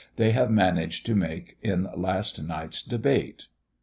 they have managed to make in last night's debate.